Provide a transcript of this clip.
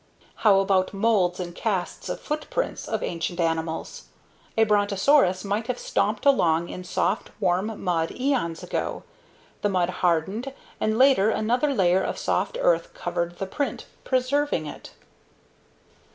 How about molds and casts of footprints of ancient animals? A brontosaurus might have stomped along in soft, warm mud eons ago. The mud hardened and later another layer of soft earth covered the print, preserving it.